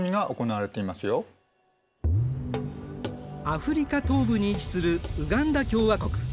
アフリカ東部に位置するウガンダ共和国。